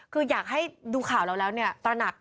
คืออยากให้ดูข่าวเราแล้วเนี่ยตระหนัก